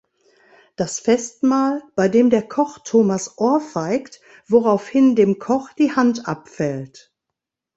Das Festmahl, bei dem der Koch Thomas ohrfeigt, woraufhin dem Koch die Hand abfällt.